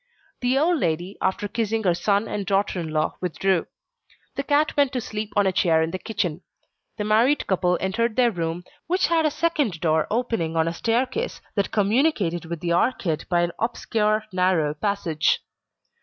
The old lady after kissing her son and daughter in law withdrew. The cat went to sleep on a chair in the kitchen. The married couple entered their room, which had a second door opening on a staircase that communicated with the arcade by an obscure narrow passage.